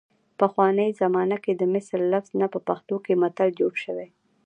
پخوانۍ زمانه کې د مثل لفظ نه په پښتو کې متل جوړ شوی